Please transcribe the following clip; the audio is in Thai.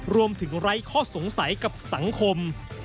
ไร้ข้อสงสัยกับสังคม